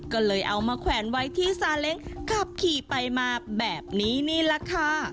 ก็เลยเอามาแขวนไว้ที่ซาเล้งขับขี่ไปมาแบบนี้นี่แหละค่ะ